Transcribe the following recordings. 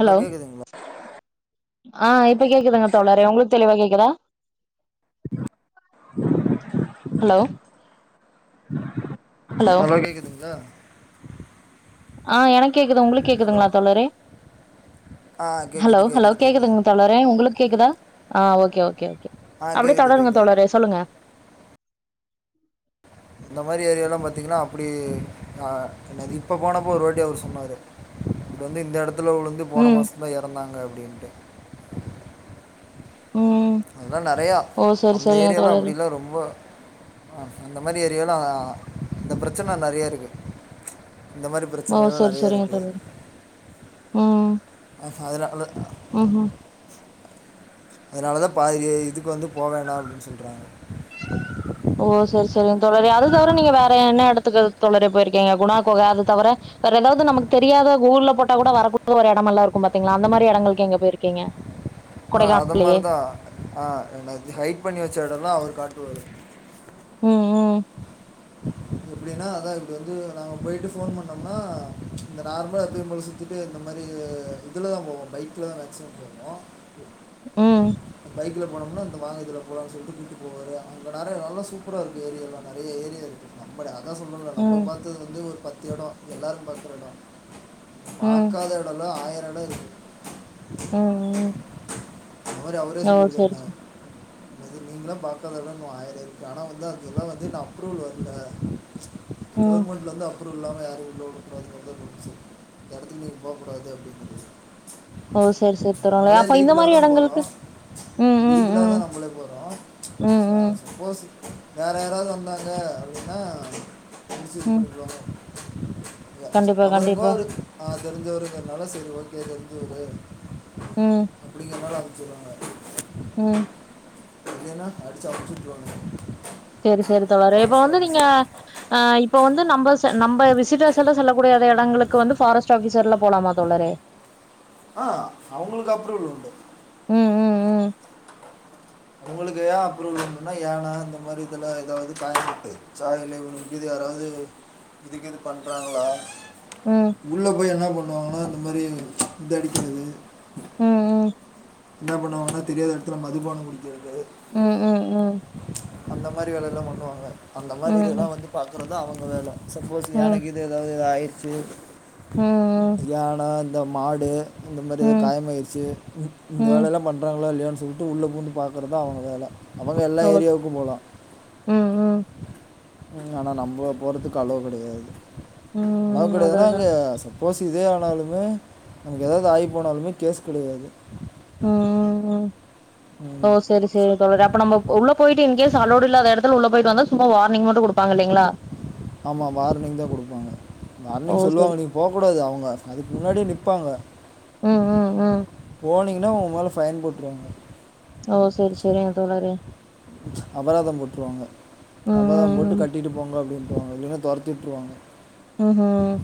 Hello ஆஹ் இப்ப கேக்குதுங்க தோழரே உங்களுக்கு தெளிவா கேக்குதா ஹலோ ஹலோ நல்லா கேக்குதுங்களா ஆஹ் எனக்கு கேக்குது உங்களுக்கு ஹலோ கேக்குதுங்களா தோழரே ஆ ஹலோ கேட்குது ஹலோ கேட்குது கேட்குது கேக்குதுங்க தோழரே உங்களுக்கு கேக்குதா ஆஹ் ஓகே ஓகே ஆ அப்டே கேட்குது தொடருங்க கேட்குது தோழரே சொல்லுங்க இந்த மாதிரி ஏரியல்லா பாத்தீங்கன்னா அப்டி என்னது இப்ப போனப்ப ஒரு வாட்டி அவர் சொன்னாரு இங்க வந்து இந்த எடத்துல உழுந்து போன ம் மாச தா இறந்தாங்க அப்டின்ட்டு ம் அதெல்லா நெறையா ஓ சரி அந்த சரிங்க ஏரியாலா தோழரே அப்டில்லா ரொம்ப ஆ அந்த மாரி ஏரியாலா இந்த ப்ரச்சன நெறைய இருக்கு இந்த மாரி பிரச்சனை எல்லா நெறைய இருக்கு உம் உஹும் அதனாலதா பாதி இதுக்கு வந்து போவேணா அப்டின்னு சொல்றாங்க ஓ சரி சரிங்க தோழரே அது தவிர நீங்க வேற என்ன எடத்துக்கு தோழரே போயிருக்கீங்க குணா கொக அது தவர ரெண்டாவது நமக்கு தெரியாத கூகுள்ல போட்டா கூட வர [inaudible] ஒரு இடமல்லா இருக்கு பாத்தீங்களா அந்த மாரி எடங்களுக்கு எங்க போய்ருக்கிங்க ஆஹ் அத மாரிதா ஆஹ் என்ன ஹைட் பண்ணி வச்ச எடல்லா அவரு காட்டுவாரு உம் உம் எப்டின்னா அதா இப்டி வந்து நாங்க போயிட்டு ஃபோன் பண்ணோம்னா இந்த நார்மலா எப்பயுபோல சுத்திட்டு இந்த மாரி இதுலதா போவோ பைக்ல தா மேக்சிமம் போவோ உம் போனம்னா இந்த வாகனத்துல போலானு சொல்ட்டு கூட்டு போவாரு அங்க நெறைய நல்லா சூப்பரா இருக்கு ஏரியால நெறைய ஏரியா இருக்கு அதா சொல்ரல நம்ம ம் பாத்தது வந்து ஒரு பத் எடோ எல்லாரு பாக்குறடோ ம் பாக்காத எடோனா ஆயிரெடோ இருக்கு உம் உம் மாரி அவரே சொல்லிருகாருங்க நீங்களா பாக்காதல்ல இனுஆயிரோ இருக்கு ஆனா வந்து அது எல்லா அப்ரூவல் வர்ல ம் கவர்மெண்ட்லந்து அப்ரூவல் இல்லாம யாரயு உள்ள உட கூடாதுங்கறதா ரூல்சு எடத்துக்கு நீங்க போகூடாது அப்டின்னு ஓ செரி செரி தோழரே அப்ப இந்த மாரி எடங்களுக்கு ம் ம் லீகலா தா ம் நம்மளே போறோ ம் ம் சப்போஸ் வேற யாராவது வந்தாங்க அப்டின்னா புடிச்சுட்டு ம் போய்ருவாங்க கண்டிப்பா அவருங்கோ கண்டிப்பா அஹ் தெரிஞ்சவருங்கனால செரி ஓகே தெரிஞ்சவரு ம் அப்டிங்றனால அனுப்ச்சராங்க ம் இல்லனா அடிச்சு அனுப்ச்சுட்ருவாங்க செரி செரி தோழரே இப்ப வந்து நீங்க ஆ இப்ப வந்து நம்ப நம்ப விசிட்டர்ஸ் எல்லா செல்லக்கூடிய எடங்களுக் கு வந்து ஃபாரஸ்ட் ஆஃபீசர்ல போலாமா தோழரே ஆ அவங்ளுக்கு அப்ரூவல் உண்டு ம் ம் ம் அவுங்ளுக்கு ஏ அப்ரூவல் உன்டுனா ஏனா இந்த மாரி இதுல எதாவுது காயம்பட்டு சாயல்லே இவனுக கீது யாராது அது இதுக்கு இது பண்றாங்ளா ம் உள்ள போய் என்னா பண்ணுவாங்கனா இந்த மாரி இது அடிக்கறது ம் ம் என்னா பண்ணுவாங்னா தெரியாத எடத்துல மதுபான குடி ம் ம் ம் அந்த மாரி வேலையெலா பண்ணுவாங்க அந்த ம் மாரி இதெலா ம் வந்து பாக்குறதா அவுங்க வேல சப்போஸ் யான கீது எதாவுது ஆயிருச்சு ம் ம் இந்த மாடு இந்த மாரி எதாவ்து ம் ம் காயமாயிருச்சு இந்த ம் வேலையெலா பண்றாங்க இல்லயா சொல்ட்டு உள்ள பூந்து பாக்கறதா அவுங்க வேல அவுங்க எல்லா ஓ ஏரியாக்கு போலா ம் ம் ம் ஆனா நம்ப போறதுக்கு அலோ கெடையாது அலோ ம் அதா கெடையாதுனா அதா அங்க சப்போஸ் இதே ஆனாலுமே நமக்கு எதாவுது ஆயி போனாலுமே கேஸ் கெடையாது ம் ம் ம் ஓ ம் செரி செரிங் தோழரே அப்ப நம்ம உள்ள போயிட்டு இன்கேஸ் அலோடு இல்லாத எடத்துல உள்ள போயிட்டு வந்தா சும்மா வார்னிங் மட்டு குடுப்பாங்க இல்லைங்ளா ஆமா வார்னிங் தா குடுப்பாங்க ஓ வார்னிங் செரி சொல்லுவாங்க நீங்க போக்கூடாது அவுங் க அதுக்கு முன்னாடியே நிப்பாங்க ம் ம் ம் இல்லனா உங்க மேல ஃபைன் போட்ருவாங்க ஓ செரி செரிங்க தோழரே அபராதம் போட்ருவாங்க ம் அபராதம் போட்டு ம் கட்டிட்டு போங்க அப்டினு இல்லைனா தொரத்தியுட்ருவாங்க ம் ம்ஹும்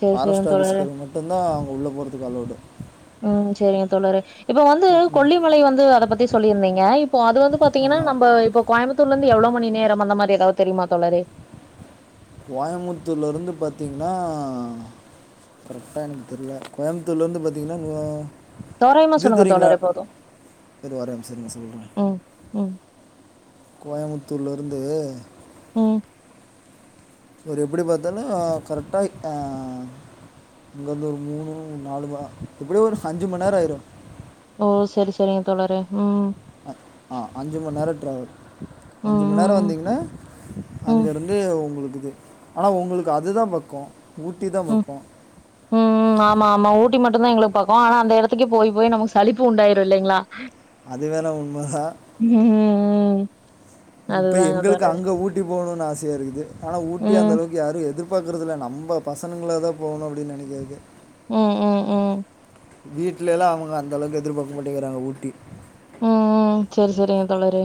செரி செரிங்க ஃபாரஸ்ட் தோழரே ஆஃபிஸர்களுக்கு மட்டுந்தா அங்க உள்ள போறதுக்கு அலவ்டு இப்போ வந்து ம் ம் கொல்லிமலைய வந்து அத பத்தி சொல்லிருந்திங்க இப்போ அது வந்து பாத்திங்கனா ஆமாம் நம்ப இப்போ கோயமுத்தூர்ல இருந்து எவ்ளோ மணி நேரம் அந்த மாரி எதாவுது தெரியுமா தோழரே னா கரெக்டா எனக்கு தெர்ல கோயமுத்தூர்ல இருந்து பாத்திங்னா தோராயமா இது சொல்லுங்க தெரிங்ளா தோழரே போதும் இரு ஒரெ நிம்ஸ இருங்க சொல்றே ம் ம் கோயமுத்தூர்ல இருந்து ம் ஒரு எப்டி பாத்தாலு கரெக்டா இங்க இருந்து ஒரு மூணு நாலு மா எப்டியோ ஒரு அஞ்சு மண் நேர ஆயிரு ஓ சரி சரிங் தோழரே ம் ஆ அஞ்சு மண் நேர டிராவல் ம் அஞ்சு மண் நேர ம் ம் வந்திங்னா அங்க ம் இருந்து உங்ளுக் க்குது ஆனா உங்ளுக்கு அதுதா பக்கொ ம் ம் ஆமா ஆமா ஊட்டி மட்டுந்தா எங்ளுக்கு ப க்கோ ஆனா அந்த எடத்திக்கு போயி போய் நமக்கு சளிப்பு உண்டாயிரு இல்லைங்ளா அது வேணால் உண்மைதான் ம் ம் இப்ப அதுதாங்க எங்களுக்கு தோழரே அங்க ஊட்டி போகணுன் ஆசையா இருக்குது ஆனா ஊட்டி அந்த ம் அளவுக்கு யாரு எதி ர்பாக்கறதில்ல நம்ப பசன்கள தா போகணு அப்டின் நெனைக்கறது ம் ம் ம் வீட்லெலா அவுங்க அந்தளவுக்கு எதிர்பாக்க மாட்டேங்றாங்க ஊட்டி ம் ம் செரி செரிங்க தோழரே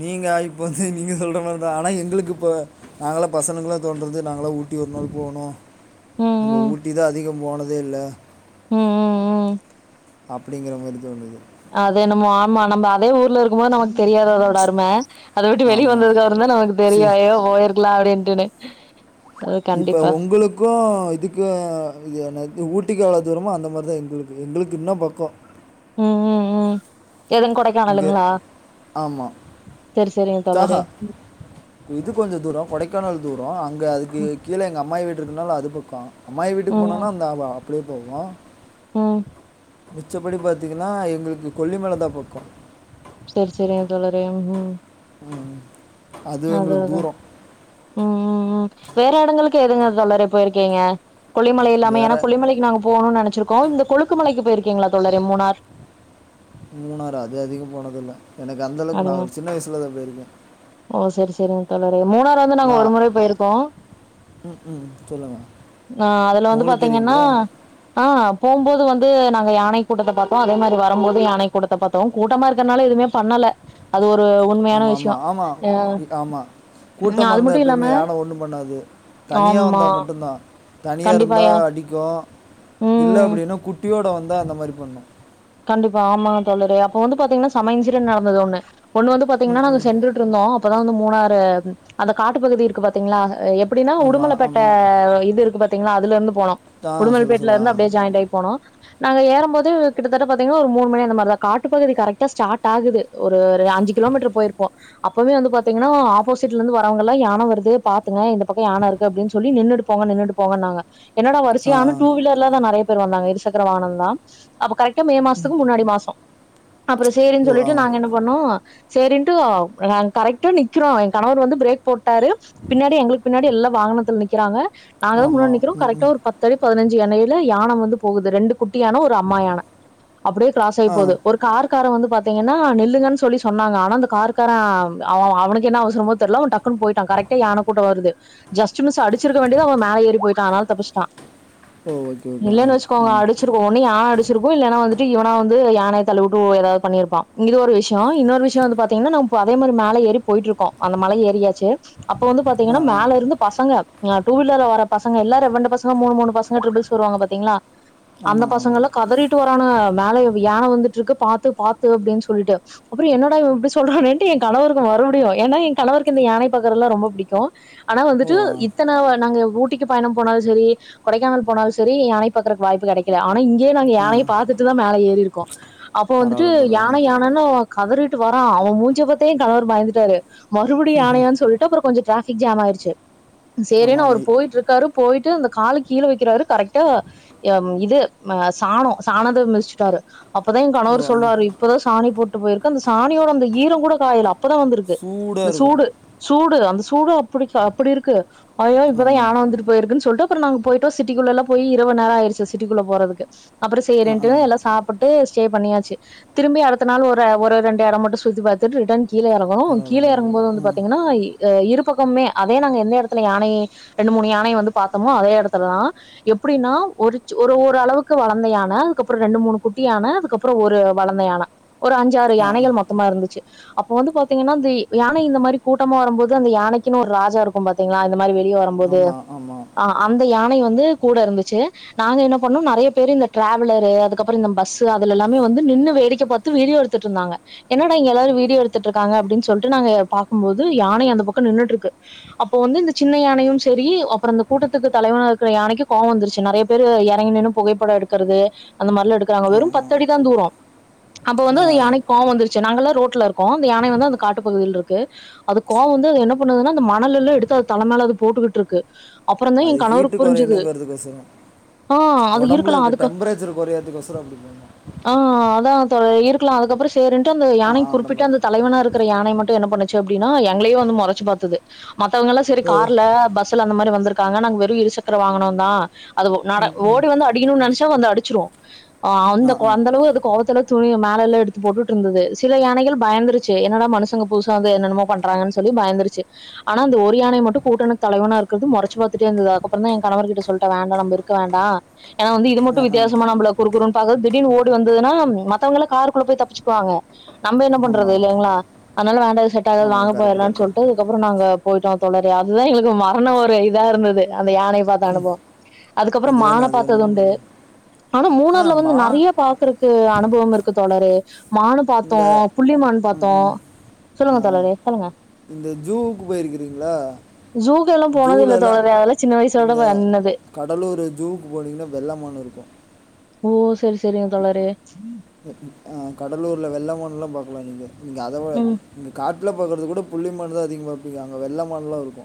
நீங்க இப்ப வந்து நீங்க சொல்ற மாதிரிதா ஆனா எங்களுக்கு இப்ப நாங்கள பசனுங்ளா தோன்றது நாங்களா உ ட்டி ஒரு நாள் போகணு ம் நம்ப ம் ஊட்டி தா அதிகம் போனதே இல்ல ம் ம் ம் அப்டிங்கிற மாரி தோணுது அது என்னமோ ஆமா நம்ப அதே ஊர்ல இருக்கும் போது நமக் தெரியாது அதோட அரும அத விட்டு வெளி ஆமாம் வந்ததுக்காற தா நமக்கு தெரியு சரி அயே ஒயிருக்லா அப்டின்ட்டுனு இப்ப ஒங்களுக்கு இதுக்கு என்னது ஊட் டிக்கு எவ்ளோ தூரமோ அந்த மாரி தா எங்களுக்கு எங்களுக்கு இன்னோ பக்கோ ம் ம் ம் எதுங் இங்கே கொடைக்கானலுங்ளா ஆமாம் சேரி சேரிங்க ஆஹா தோழரே இது கொஞ்ச தூர கொடைக்கானல் தூர அங்க அதுக்கு ம் கீழ எங்க அம்மாயி வீடு இருக்குனால அது பக்க அம்மாயி வீட்டுக்கு ம் போனுனா அந்த அ அப்டியே போயிவோ ம் மிச்சபடி பாத்தீங்கனா எங்களுக்கு கொல்லிமல தா பக்கோ சேரி சேரிங் தோழரே ம் ம் ம் அது அதா ம் ம் ம் வேற எடங்களுக்கு எதுங்க தோழரே போயிருக்கீங்க கொல்லி மலை இல்லாமே வேற ஏனா கொல்லி மலைக்கு நாங்க போனுனு நெனச்சிருக்கோ இந்த கொழுக்குமலைக்கு போயிருக்கீங்களா தோழரே மூணார் மூணாறா அது அதிகம் போனது இல்ல எனக்கு அந்த அளவுக்கு அப்டியா நான் சின்ன வயசுலதா போயிருக்கே ஓ சேரி சேரிங்க தோழரே மூணாரு வந்து நாங்க ஒரு நான் முறை போயிருக்கோ ம் ம் சொல்லுங்க ஆ அதுல வந்து ஒங்களுக்கு பாத்தீங்கன்னா தெரியும்ல ஆ போம் போது வந்து நாங் யானை கூட்டத்த பாத்தோ அதே மாரி வரம் போது யானை கூட்டத்த பாத்தோ கூட்டமா இருக்கனால எதுமே பண்ணல அது ஒரு ரு உண்மையான விஷய அ கூட்டமா அது இருந்தா மட்டு இல்லாம எப்பயுமே யான ஒண்ணு பண்ணாது தனியா ஆமா வந்தா மட்டுந்தா தனியா கண்டிப்பா இருந்தா யா அடிக்கு இல்ல ம் அப்டினா குட்டியோட வந்தா அந்த மாரி பண்ணு கண்டிப்பா ஆமா தோழரே அப்ப வந்து பாத்தீங்னா செம இன்சிடன்ட் நடந்தது ஒண்ணு ஒண்ணு வந்து பாத்தீங்னா ம் நாங்க ம் சென்றுட்டு இருந்தோ அப்பதா வந்து மூணாரு அந்த காட்டு பகுதி இருக்கு பாத்தீங்ளா அ எப்டின்னா ஆமாம் உடுமல பேட்ட ஆமாம் இது இருக்கு பாத்தீங்களா அதுல இருந்து போனோ ஆ உடுமல சொல்லு பேட்ல சொல்லு ஆ இருந்து அப்டியே ஜாயிண்ட் ஆயி போனோ நாங்க ஏறம் போது கிட்டதட்ட பாத்தீங்னா ஒரு மூணு மணி அந்த மாரிதா காட்டுப்பகுதி கரெக்டா ஸ்டார்ட் ஆகுது ஒரு ரு அஞ்சு கிலோமீட்டர் போயிருப்போ அப்பவே வந்து பாத்தீங்னா ஆப்போசிட்ல இருந்து வரவுங்கலா யான வருது பாத்துங்க இந்த பக்க யானை இருக்கு அப்டினு சொல்லி நின்னுட்டு போங்க ப நின்னுட்டு போங்கனாங்க என்னடா ஆ வரிசையா ஆ ஆன டூவீலர்ல தா நெறய பேர் வந்தாங்க இருசக்கர வாகனந்தா அப்ப கரெக் ட மே மாசத்துக் முன்னாடி மாசம் அப்புற சேரின்னு ஓ ஆ சொல்லிட்டு நாங்க என்ன பண்ணோ சேரின்ட்டு அ நாங்க கரெக்டா நிக்கிறோ என் கணவர் வந்து பிரேக் போட்டாரு பின்னாடி எங்களுக்கு பின்னாடி எல்லா வாகனத்தில் நிக்கிறாங்க நாங்க தா முன்னாடி ஆமாம் நிக்கிறோ ம் கரெக்டா ம் ஒரு பத்தடி பதினஞ்சு எண்ணையில யானை வந்து போகுது ரெண்டு குட்டி யான ஒரு அம்மா யான அப்டியே கிராஸ் ஆயி ஆ போது ஒரு காரு காரன் வந்து பாத்தீங்கனா நில்லுங்கன்னு சொல்லி சொன்னாங்க ஆனா அந்த காருக்கார அவ அவனுக்கு என்ன அவசரமோ தெர்ல அவ டக்கு னு போயிட்டான் கரெக்டா யான கூட்ட வருது ஜஷ்ட்டு மிஸ் அடிச்சுருக்க வேண்டிது அவ மேல ஏறி போயிட்டா அதனால தப்பிச்ட்டா ஓ ஓகே ஓகே ஆ இல்லேனு வச்சுக்கோங்க ஆ அடிச்சுருக்கு ஒன்னு யா யானா வந்துட்டு இவனா வந்து யான தள்ளுவுட்டு ஒ ஏதாவது பண்ணிருப்பா இது ஒரு விஷய இன்னொரு விஷய வந்து பாத்தீங்னா நா ப் அதே ம் மரி மேல ஏறி போயிட்ருக்கோ அந்த மல ஏறியாச்சு அப்ப வந்து ஆ பாத்தீங்னா ஆ மேல இருந்து பசங்க டுவீலர்ல வர பசங்க எல்லா ரெவ்வண்டு பசங்க மூணுமூணு பசங்க ட்ரிபுல்ஸ் வருவாங்க பாத்தீங்ளா ஆமா ஆமாங் கதறிட்டு வரானுக வேல யான வந்துட்ருக் க்கு பாத்து பாத்து அப்டின் சொல்ட்டு அப்புற என்னடா இவ் இப்டி சொல்றானேன்டு என் கணவருக்கு மறுபடியு ஏனா என் கணவருக்கு கு இந்த யானைய பாக்குறல்லா ரொம்ப புடிக்கு ஆனா ஓ வந்துட்டு ஆ இத்தன நாங்க ஊட்டி ஊட்டிக்கி பயணம் போனாலு செரி கொடைக்கானல் போனாலு செரி யானை பாக்குறக்கு வாய்ப்பு கெடைக்கல ஆனா இங் கயே நாங்க ஆ யானைய பாத்துட்டு தா மேல ஏறிருக்கோ அப்போ வந்துட்டு பரவாயில்ல பரவாயில்ல யானை யானன்னு கதறீட் டே வர்றா அவே மூஞ்ச பாத்தே ஏ கணவர் பயந்துட்டாரு மறுபடியு யானையான்னு சொல்லிட்டு அப்பறோ கொஞ்சோ ட்ராஃபிக் ஜாம் ஆயிருச்சி ஆமாம் சேரின்னு அவர் ஆமாம் இ- போயிட்டு இருக்காரு போயிட்டு அந்த காலக் கீழ வக்கிறாரு கரெக்டா ஆ இது ஆ சாணோ சாணோத்த மிதிச்சிட்டாரு அப்பதா ஏ ஓ கணவர் ஆ சொல்றாரு இப்பதா சாணி போட்டு போயிருக்கு அந்த சாணியோட அந்த ஈரோ கூட காயலா அப் பதா வந்திருக்கு அந்த சூடாக இருக்கும் சூடு சூடு அந்த சூடு அப்டிக்கா அப்டி இருக்கு ஐயோ இப்பதா ஆமாம் யான வந்துட்டு போயிருக்குன்னு சொல்லிட்டு அப்பறோ நாங்க போயிட்டோ சிட்டிக்குள்ளல்லா பொய் இரவுநேரோ ஆயிருச்சி சிட்டிக்குள்ள போறதுக்கு அப்பறோ ஆ செய்றேன்ட்டு ஆ எல்லா சாப்ட்டு என்ஜாய் பண்ணியாச்சி திரும்பியு அடுத்த நாள் ஒரு ஒரு ரெண்டு இடம் மட்டு சுத்தி பாத்துட்டு ரிட்டன் கீழ இறங்குனோ கீழ பரவாயில்ல பரவாயில்ல இறங்கும்போது வந்து ஆ பாத்தீங்கன்னா ஆ இருப் கோமே அதே நாங்க எந்த எடத்துல யானை ரெண்டு மூணு யானை வந்து பாத்தமோ அதே எடத்துலதா எப்டின்னா ஒரு சோ ஒரு ஒரு அளவுக்கு வளந்தயான அதுக்கப்பறோ ரெண்டு மூணு குட்டியான அதுக்கப்பறோ ஒரு வளந்தயான ஒரு அஞ்சிஆறு ஆ ஆ யானைகள் மொத்தமா இருந்துச்சி அப்ப வந்து பாத்தீங்கன்னா இந்த யானை இந்த மாரி கூட்டமா வரும்போது அந்த யானைக்கின்னு ஒரு ராஜா இருக்கு பாத்தீங்களா இந்த மாரி வெளிய வரும்போது ஆமாம் ஆமாம் ஆ அந்த யா பிள்ளைகள் வந்து கூட இருந்துச்சி நாங்க என்ன பண்ணோ நெறைய பேரு இந்த டிராவலர் அதுக்கப்பறோ இந்த பஸ் அதுல எல்லாமே வந்து நின்னு வேடிக்க பாத்து வீடியோ எடுத்துட்டு இருந்தாங்க என்னடா இங்க எல்லாரு வீடியோ எடுத்துட்டு இருக்காங்க அப்டின்னு சொல்ட்டு நாங்க பாக்கும்போது யானை அந்த பக்கோ நின்னுட்டு இருக்கு அப்போ வந்து இந்த சின்ன யானையும் செரி அப்பறோ இந்த கூட்டத்துக்கு தலைவனா இருக்கிற யானைக்கு கோவோ வந்துருச்சி நெறைய பேரு இறங்கி நின்னு புகைப்படோ எடுக்குறது அந்த மாரிலா எடுக்குறாங்க ஆ வெறும் ஆ பத் அடி தா தூரோ அப்ப வந்து ஆ அந்த யானைக்கி கோவோ வந்துருச்சி நாங்க எல்லா ரோட்ல இருக் கோ அந்த யானை வந்து அந்த காட்டு பகுதில இருக்கு அதுக்கு கோவோ வந்து என்ன பண்ணுதுன்னா அந்த மணலு எல்லா எடுத்து அது தல மேல அது போட் போட்ருக்கு அப்பறோந்தா ஏ அது ஹீட்டு கணவருக்கு புரிஞ்சது ஆ அது ஒடம்புல இருக்கலா இருக்க அதுக்கு டெம்பரேச்சர் கொறையரத்துக் கோசரோ அப்டி பண்ணு ஆ அதா தோழரே இருக்கலா அதுக்கப்பறோ சேரின்ட்டு அந்த யானையு ஆ, குறிப்பிட்டு மாதிரி அந்த தலைவனா இருக்குற யானை மட்டு என்ன பண்ணு ஆச்சி அப்டின்னா எங்கலயே வந்து முறைச்சி பாத்தது மத்தவங்கயெல்லா செரி ஆ, கார்ல பஸ்ல அந்த மாரி வந் துருக்காங்க நாங்க வெறு இருசக்கர வாகனோ தா அது ஓ நட ம் ஓட் ம் இன்னு நெனைச்சா வந்து அடிச்சிரு ஆ அந்த கோ அந்த அளவு அது கோவத்துல துணிய மேலல்லா எடுத்து போட்டுட்ருந்தது சில யானைகள் பயந்துருச்சி என்னடா மனுசங்க புதுசா வந்து என்னஎன்னமோ பண்றாங்கன்னு சொல்லி பயந்துருச்சி ஆனா அந்த ஒரு யானை மட்டு கூட்டனுக்கு தலைவனா இருக்குறது மொறச்சி பாத்துட்டே இருந்தது அதுக்கப்பறோந்தா ஏ கணவர் கிட்ட சொல்லிட்டா வேண்டா நம்ப இருக்க வேண்டா ஏன்னா வந்து இது மட்டு ஆ ஆ ஆமாம் வித்தியாசமா நம்பள குறுக்குறுன்னு பாக்குது திடீர்ன்னு ஓடி வந்ததுன்னா மத்தவங்கல்லா காருக்குள்ள போய் தப்பிச்சிக்குவாங்க நம்ப என்ன பண்றது ஆமாம் இல்லேங்களா அதனால வேண்டா இது செட் ஆகாது ஆமாம் வாங்க கரெக்டு போயிறலான்னு கரெக்டு சொல்ட்டு அதுக்கப்பறோ நாங்க போய்ட்டோ தோழரே அதுதா எங்களுக்கு மரண ஒரு இதா இருந்தது அந்த யானைய பாத்த அனுபவம் அதுக்கப்பறோ அது மான வேணும் அது பாத் வேணும் ததுண்டு உண்மைதான். ஆனா மூணாருல வந்து ஆமா நெறைய பாக்குறக்கு அனுபவம் இருக்கு தோழரே மானு பாத்தோ இந்த புள்ளி மான் ம், பாத்தோ ம். ஆ சொல்லுங்க தோழரே சொல்லுங்க இந்த ஜூவுக்கு போயிருக்கிறீங்களா ஜூக்கு எல்லா போனது இல்ல ஜூலல்லா தோழரே அதெல்லா சின்ன வயசோட இந்த பண்ணது கடலூர் ஜூவுக்கு போனீங்கன்னா வெள்ள மான் இருக்கு ஓ சேரி சேரிங்க தோழரே உள்ள வெள்ள மான்ல்லா பாக்கலா நீங்க இங்க அதவுட ம் நீங்க காட் ல பாக்றது கூட புள்ளி மான் தா அதிகோ பாப்பீங்க அங்க வெள்ள மான்லா இருக்கு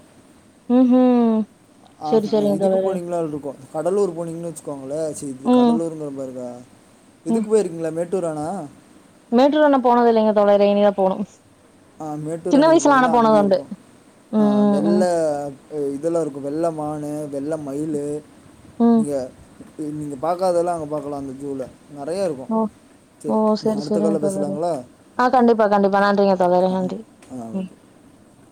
ம் ஹூம் ஆ இதுக்கு போனீங்கனாலு இருக்கு கடலூர் போனீங்கன்னு வச்சுக்கோங்க அவள சி இது ம் கடலூருங்கிற பாருங்க ம் இதுக்கு போயிருக்கீங்களா மேட்டூர் அண மேட்டூர் அண போனுது இல்லங்க தோழரே இனி தா போணு ஆ மேட்டூர் சின்ன அணைக்கி வயசுல ஆனா போனீங்கன்னா போனது அங்கயு உண்டு இருக்கு ஆ ம் ம் வெள்ள ம் இதெல்லா இருக்கு வெள்ள மானு வெள்ள மயிலு ம் நீங்க நீங்க பாக்காதெல்லா அங்க பாக்கலா அந்த ஜூவுல நெறையா இருக்கு ஓ ஓ சேரி செரி அடுத்த செரிங்க கால்ல தோழரே பேசலாங்களா ஆ கண்டிப்பா கண்டிப்பா நன்றிங்க தோழரே ஆ நன்றி ஆ ம் ஓகே